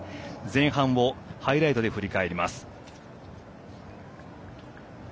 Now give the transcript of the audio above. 前半ハイライトで振り返ります。